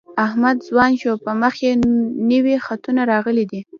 احمد ځوان شو په مخ یې نوي خطونه راغلي دي.